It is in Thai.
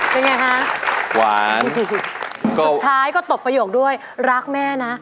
เป็นไงฮะหวานสุดท้ายก็ตบประโยคด้วยรักแม่นะ